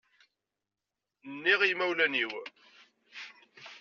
NniƔ i imawlan-iw.